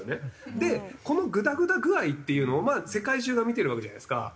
でこのグダグダ具合っていうのをまあ世界中が見てるわけじゃないですか。